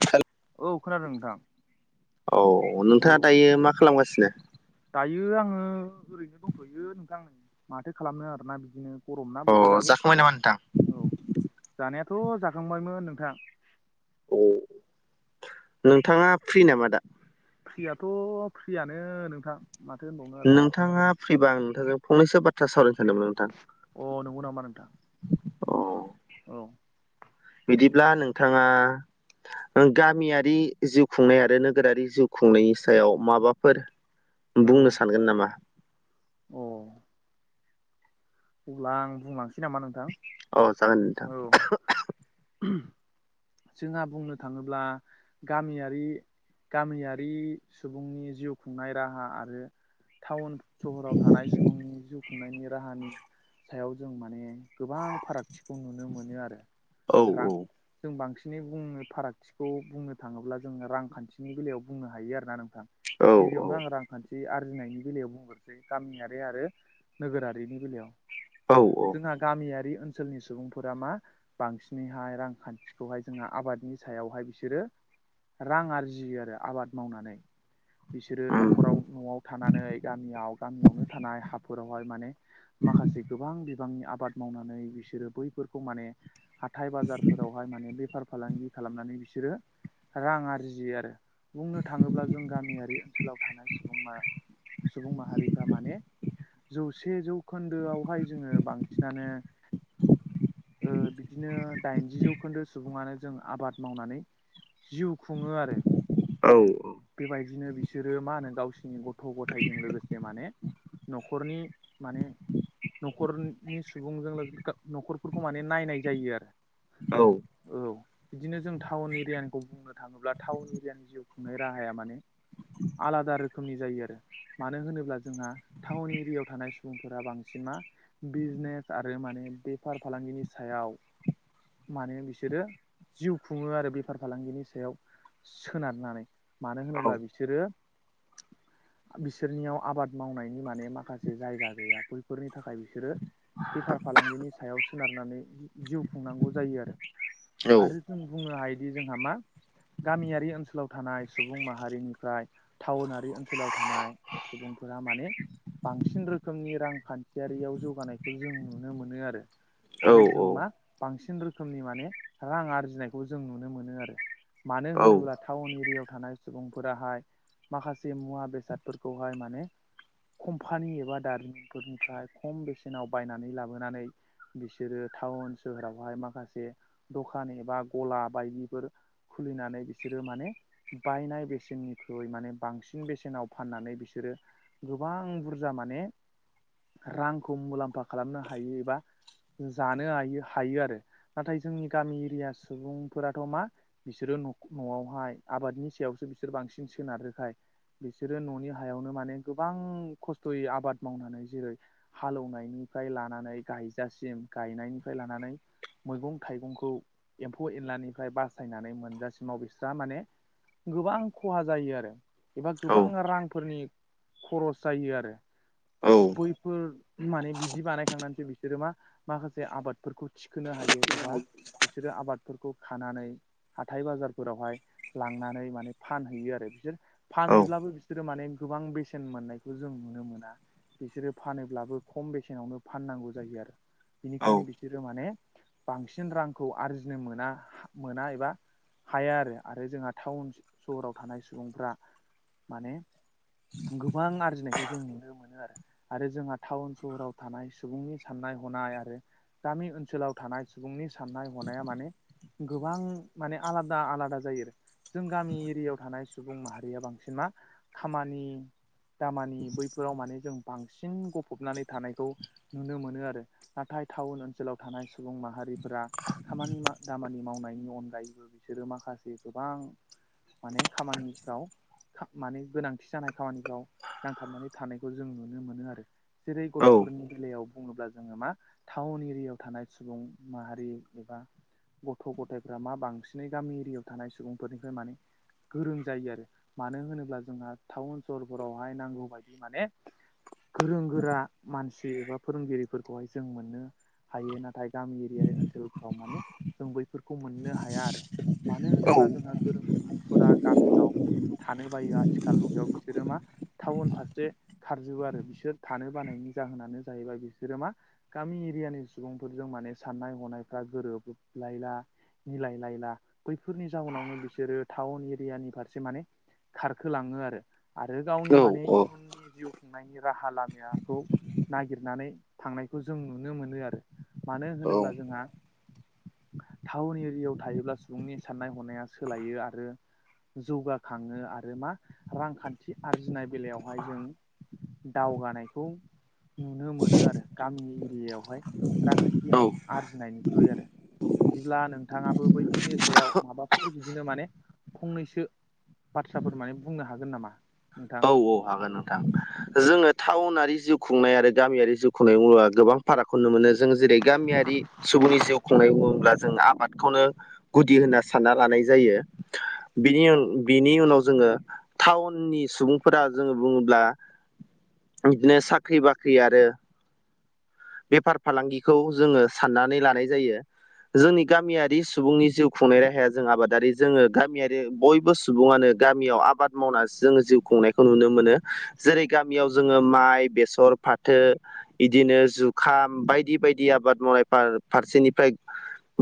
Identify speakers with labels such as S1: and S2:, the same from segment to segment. S1: ह [unintelligible]
S2: औ खोनादों नोंथां
S1: औ नोंथाङा दायो मा खालामगासिनो
S2: दायो आङो ओरैनो दंथ'यो नोंथां आंनो माथो खालामनो आरोना बिदिनो गरम ना
S1: अ
S2: बोथोराबो
S1: जाखांबाय नामा नोंथां?
S2: औ जानायाथ' जाखांबायमोन नोंथां
S1: औ नोंथाङा फ्रि नामा दा
S2: फ्रियाथ' फ्रियानो नोंथां माथो होनबावनो आरो
S1: नोंथाङा फ्रिब आं नोंथांजों फंनैसो बाथ्रा सावरायनो सानदोंमोन नोंथां
S2: अ नंगौ नामा नोंथां
S1: अ
S2: औ
S1: बिदिब्ला नोंथाङा गामियारि जिउ खुंनाय आरो नोगोरारि जिउ खुंनायनि सायाव माबाफोर
S2: औ
S1: बुंनो सानगोन नामा
S2: अ अब्ला आं बुंलांनोसै नामा नोंथां
S1: औ जागोन नोंथां
S2: औ जोंहा बुंनो थाङोब्ला गामियारि गामियारि सुबुंनि जिउ खुंनाय राहा आरो टाउन सहराव थानाय सुबुंनि जिउ खुंनायनि राहानि सायाव जों माने गोबां फारागथिखौ नुनो मोनो आरो
S1: औ
S2: रां जों बांसिनै बुंनो फारागथि खौ बुंनो थाङोब्ला जोङो रांखान्थिनि बेलायाव बुंनो हायो आरोोना नोंथां
S1: औ
S2: गिबियावनो आं रां मानसि आरजिनायनि बेलायाव बुंग्रोसै गामियारि आरो नोगोरारिनि बेलायाव
S1: औ औ
S2: जोंहा गामियारि ओनसोलनि सुबुंफोरा मा बांसिनैहाय रांखान्थिखौहाय जोंहा आबादनि सायावहाय बिसोरो रां आरजियो आरो आबाद मावनानै बिसोरो न'खराव न'आव थानानै गामियाव गामियावनो थानाय हाफोरावहाय माने माखासे गोबां बिबांनि आबाद मावनानै बिसोरो बैफोरखौ माने हाथाय बाजारफोरावहाय माने बेफार फालांगि खालामनानै बिसोरो रां आरजियो आरो बुंनो थाङोब्ला जों गामियारि ओनसोलाव थानाय सुबुं मा सुबुं माहारिफ्रा माने जौसे जौ खोन्दोआवहाय जोङो बांसिनानो बिदिनो दाइनजि जौखोन्दो सुबुङानो जों आबाद मावनानै जिउ खुङो आरो
S1: औ
S2: बेबायदिनो बिसोरो मा होनो गावसिोरनि गथ' गथायजों लोगोसे माने न'खरनि माने न'खरनि सुबुंजों लोग न'खरफोरखौ माने नायनाय जायो आरो
S1: औ
S2: औ बिदिनो जों टाउन एरियानिखौ बुंनो थाङोब्ला टाउन एरियानि जिउ खुंनाय राहाया माने आलादा रोखोमनि जायो आरो मानो होनोब्ला जोंहा टाउन एरियायाव थानाय सुबुंफोरा बांसिन मा बिजनेस आरो माने बेफार फालांगिनि सायाव मान बिसोरो जिउ खुङो आरो बेफार फालांगिनि सायाव सोनारनानै मानो
S1: औ
S2: होनोब्ला बिसोरो बिसोरनियाव आबाद मावनायनि माने माखासे जायगा गैया बैफोरनि थाखाय बिसोरो बेफार फालांगिनि सायाव सोनारनानै जिउ खुंनांगौ जायो आरो
S1: औ
S2: आरो जों बुंनो हायोदि जोंहा मा गामियारि ओनसोलाव थानाय सुबुं माहारिनिफ्राय टाउनारि ओनसोलाव थानाय सुबुंफोरा माने बांसिन रोखोमनि रांखान्थियारियाव जौगानायखौ जों नुनो मोनो आरो
S1: औ
S2: आरो जों मा बांसिन रोखोमनि माने रां आरजिनायखौ जों नुनो मोनो आरो मानो
S1: औ
S2: होनोब्ला टाउन एरियाव थानाय सुबुंफोराहाय माखासे मुवा बेसादफोरखौहाय माने कम्पानि एबा दारिमिनफोरनिफ्राय खम बेसेनाव बायनानै लाबोनानै बिसोरो टाउन सोहोरावहाय माखासे दखान एबा गला बायदिफोर खुलिनानै बिसोरो माने बायनाय बेसेननिख्रुइ माने बांसिन बेसेनाव फाननानै बिसोरो गोबां बुरजा माने रांखौ मुलाम्फा खालामनो हायो एबा जानो हायो हायो आरो नाथाय जोंनि गामि एरिया सुबुंफोराथ' मा बिसोरो न'आवहाय आबादनि सायावसो बिसोर बांसिन सोनारहोखाय बिसोरो न'नि हायावनो माने गोबां खस्थ'यै आबाद मावनानै जेरै हालौवनायनिफ्राय लानानै गायजासिम गायनायनिफ्राय लानानै मैगं-थाइगंखौ एम्फौ एनलानिफ्राय बासायनानै मोनजासिमाव बिस्रा माने गोबां खहा जायो आरो एबा
S1: औ
S2: गोबां रांफोरनि खरस जायो आरो
S1: औ
S2: बयफोर माने बिदि बानायखांनानैसै बिसोरो मा माखासे आबाद फोरखौ थिखोनो हायो एबा बिसोरो आबादफोरखौ खानानै हाथाइ बाजारफोरावहाय लांनानै माने फानहैयो आरो बिसोर फानहैब्लाबो बिसोरो माने गोबां बेसेन मोननायखौ जों नुनो मोना बिसोरो फानोब्लाबो खम बेसेनावनो फाननांगौ जायो आरो बिनिखायनो बिसोरो माने बांसिन रांखौ आरजिनो मोना मोना एबा हाया आरो आरो जोंहा टाउन सहराव थानाय सुबुंफ्रा माने गोबां आरजिनाय जों नुनो मोनो आरो आरो जोंहा टाउन सहराव थानाय सुबुंनि साननाय हनाय आरो गामि ओनसोलाव थानाय सुबुंनि साननाय हनाया माने गोबां माने आलादा आलादा जायोर जों गामि एरियायाव थानाय सुबुं माहारिया बांसिन मा खामानि दामानि बैफोराव माने जों बांसिन गफबनानै थानायखौ नुनो मोनो आरो नाथाय टाउन ओनसोलाव थानाय सुबुं माहारिफोरा खामानि मा दामानि मावनायनि अनगायैबो बिसोरो माखासे गोबां माने खामानिफ्राव [unintelligible] माने गोनांथि जानाय खामानिफ्राव नांथाबनानै थानायखौ जों नुनो मोनो आरो। जेरै गथ'फोरनि बेलायाव बुङोब्ला जोङो मा टाउन एरियायाव थानाय सुबुं माहारि एबा गथ' गथायफ्रा मा बांसिनै गामि एरियायाव थानाय सुबुंफोरनिफ्राय माने गोरों जायो आरो मानो होनोब्ला जोंहा टाउन सहरफोरावहाय नांगौ बायदि माने गोरों गोरा मानसि एबा फोरोंगिरिफोरखौहाय जों मोननो हायो नाथाय गामि एरिया ओनसोलफ्राव माने जों बैफोरखौ मोननो हाया आरो मानो होनोब्ला जोंहा गोरों सुबुंफोरा गामियाव थानो बायो आथिखाल मुगायाव बिसोरो मा टाउन फारसे खारजोबो आरो बिसोर थानो बानायनि जाहोनानो जाहैबाय बिसोरो मा गामि एरियानि सुबुंफोरजों माने साननाय हनायफ्रा गोरोबलायला मिलाय लायला। बैफोरनि जाहनावनो बिसोरो टाउन एरियानि फारसे माने खारखोलाङो आरो आरो गावनि
S1: औ औ
S2: माने इयुननि जिउ खुंनायनि राहा लामायाखौ नागिरनानै थांनायखौ जों नुनो मोनो आरो मानो
S1: औ
S2: होनोब्ला जोंहा टाउन एरियायाव थायोब्ला सुबुंनि साननाय हनाया सोलायो आरो जौगाखाङो आरो मा रांखान्थि आरजिनाय बेलायावहाय जों दावगानायखौ नुनो मोनो आरो गामि एरियायावहाय रांखान्थि
S1: औ
S2: आरजिनायनिख्रुइ आरो बिदिब्ला नोंथाङाबो बैफोरनि सायाव माबाफोर बिदिनो माने फंनैसो बाथ्राफोर माने बुंनो हागोन नामा? नोंथां
S1: औ औ हागोन नोंथां जोङो टाउनारि जिउ खुंनाय आरो गामियारि जिउ खुंनाय बुंबा गोबां फारागखौ नुनो मोनो जों जेरै गामियारि सुबुंनि जिउ खुंनाय बुङोब्ला जों आबादखौनो गुदि होनना सानना लानाय जायो बिनि बिनि उनाव जोङो टाउननि सुबुं फोरा जोङो बुङोब्ला बिदिनो साख्रि बाख्रि आरो बेफार फालांगिखौ जोङो साननानै लानाय जायो जोंनि गामियारि सुबुंनि जिउ खुंनाय राहाया जों आबादारि जोङो गामियारि बयबो सुबुङानो गामियाव आबाद मावनासो जोङो जिउ खुंनाय खौ नुनो मोनो जेरै गामियाव जोङो माइ बेसर फाथो इदिनो जुखाम बायदि बायदि आबाद मावनाय फार फारसेनिफ्राय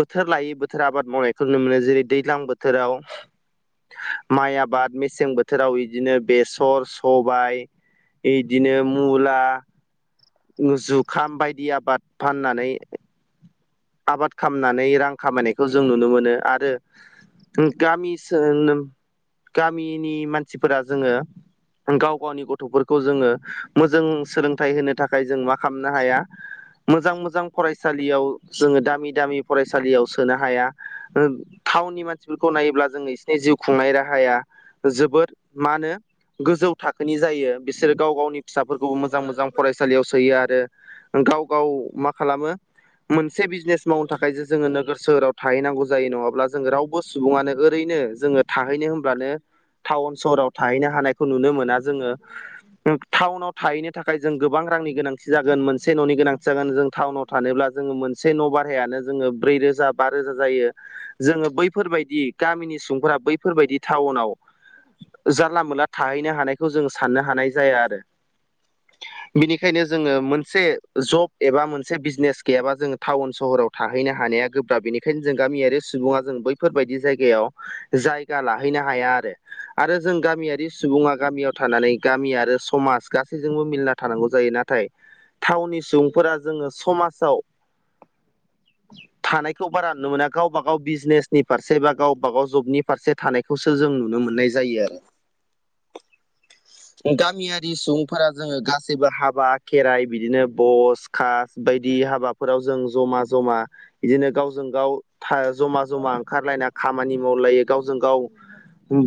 S1: बोथोर लायै बोथोर आबाद मावनायखौ नुनो मोनो जेरै दैलां बोथोराव माइ आबाद मेसें बोथोराव बिदिनो बेस सर सबाय बिदिनो मुला जुखाम बायदि आबाद फाननानै आबाद खामनानै रां खामायनायखौ जों नुनो मोनो आरो गामिसोनोम गामिनि मानसिफोरा जोङो गाव गावनि गथ'फोरखौ जोङो मोजों सोलोंथाइ होनो थाखाय जों मा खालामनो हाया मोजां मोजां फरायसालियाव जोङो दामि दामि फरायसालियाव सोनो हाया टाउननि मानसिफोरखौ नायोब्ला जोंनि नि जिउ खुंनाय राहाया जोबोद मा होनो गोजौ थाखोनि जायो बिसोरो गाव गावनि फिसाफोरखौबो मोजां मोजां फरायसालियाव सोयो आरो गाव गाव मा खालामो मोनसे बिजनेस मावनो थाखायसो जोङो नोगोर सोहोराव थाहैनांगौ जायो नङाब्ला जोङो रावबो सुबुङानो ओरैनो जोङो थाहैनो होमब्लानो टाउन सहराव थाहैनो हानाय खौ नुनो मोना जोङो टाउनाव थाहैनो थाखाय जों गोबां रांनि गोनां थिजागोन मोनसे न'नि गोनांथि जागोन जों टाउनाव थानोब्ला जोङो मोनसे न' बारहायानो जोङो ब्रै रोजा बा रोजा जायो जोङो बै फोरबायदि गामिनि सुबुंफोरा बैफोरबायदि टाउनाव जानला मोनला थाहैनो हानायखौ जों साननो हानाय जाया आरो बिनिखायनो जोङो मोनसे जब एबा मोनसे बिजनेस गैयाबा जोङो टाउन सहराव थाहैनो हानाया गोब्राब बेनिखायनो जों गामियारि सुबुङा जों बैफोरबायदि जायगायाव जायगा लाहैनो हाया आरो आरो जों गामियारि सुबुङा गामियाव थानानै गामि आरो समाज गासैजोंबो मिलना थानांगौ जायो ना थाय थाउनि सुबुंफोरा जोङो समाजाव थानायखौ बारा नुनो मोना गावबा गाव बिजनेसनि फारसे बा गावबा गाव जबनि फारसे थानायखौसो जों नुनो मोननाय जायो आरो गामियारि सुबुंफोरा जोङो गासैबो हाबा खेराइ बिदिनो बस खास बायदि हाबाफोराव जों जमा जमा बिदिनो गावजों गाव जमा जमा ओंखारलायना खामानि मावलायो गावजों गाव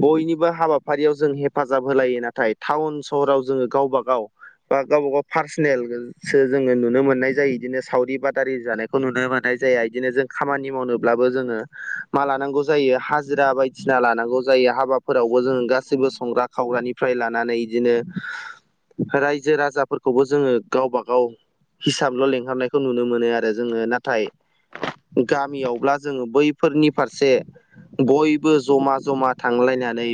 S1: बयनिबो हाबाफारियाव जों हेफाजाब होलायो नाथाय टाउन सहराव जोङो गावबागाव बा गावबा गाव पार्सनेलसो जोङो नुनो मोननाय जायो बिदिनो सावरि आबादारि जानायखौ ननो मोननाय ज बिदिनो जों खाम मावनोबो जोो मा लांगौ जायो हा जिरा बायदिसिना लानांगौ जायो हाबाफोरावबो जों गासैबो संग्रा खावग्रानिफ्राय लानानै बिदिनो रायजो राजाफोरखौबो जोङो गावबा गाव हिसाबल' लेंंहरनायखौ नुनो मोनो। मोन आरो जोङो नाथाय गामियावब्ला जोङो बैफोरनि फारसे बयबो जमा जमा थांलायनानै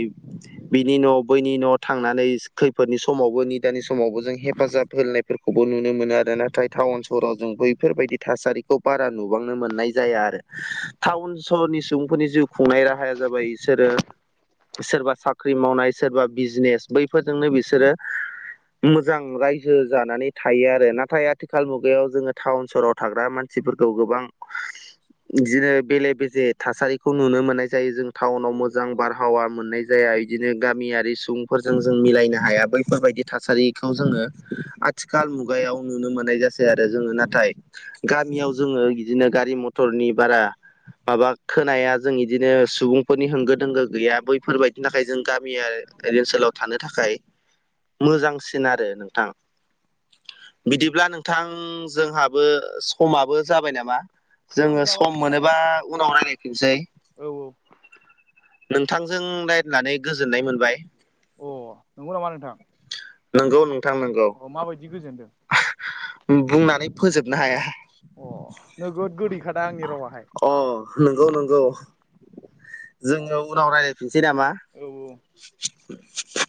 S1: बिनि न' बैनि न' थांनानै खैफोदनि समावबो निदानि समावबो जों हे हेफाजाब होलायफोरखौबो नुनो मोनो आरो नाथाय टाउन सहराव जों बै बेफोरबायदि थासारिखौ बारा नुबांनो मोननाय जाया आरो टाउन सहरनि सुबुंफोरनि जिउ खुंनाय राहाया जाबाय बिसोरो सोरबा साख्रि मावनाय सोरबा बिजनेस बैफोरजोंनो बिसोरो मोजां रायजो जानानै थायो आरो नाथाय आथिखाल मुगायाव जोङो टाउन सहराव थाग्रा मानसिफोरखौ गोबां बिदिनो बेले बेजे थासारिखौ नुनो मोननाय जायो जों टाउनाव मोजां बार हावा मोननाय जाया बिदिनो गामियारि सुबुंफोरजों जों मिलायनो हाया बैफोरबायदि थासारिखौ जोङो आथिखाल मुगायाव नुनो मोननाय जासै आरो जोङो नाथाय नाथाय गामियाव जोङो बिदिनो गारि मथरनि बारा माबा खोनाया जों इदिनो सुबुंफोरनि होंगो दोंगो गैया बैफोरबायदिनि थाखाय जों गामि आरो ओर ओनसोलाव थानो थाखाय मोजांसिन आरो नोंथां। बिदिब्ला नोंथां जोंहाबो समाबो जाबाय नामा
S2: औ
S1: जोङो
S2: जाबाय
S1: सम
S2: नोंथां
S1: मोनोबा उनाव रायज्लायफिनसै।
S2: औ औ
S1: नोंथांजों रायलायनानै गोजोननाय मोनबाय।
S2: अ नंगौ नामा नोंथां।
S1: नंगौ नोंथां नंगौ
S2: अ माबायदि गोजोनदों
S1: बुंनानै फोजोबनो हाया।
S2: अ नोगोद गोदैखादा आंनि रावाहाय
S1: अ नंगौ नंगौ। जोङो उनाव रायज्लायफिनसै नामा।
S2: औ औ
S1: [inaudible]